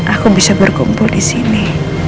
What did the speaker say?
aku bisa berkumpul di sini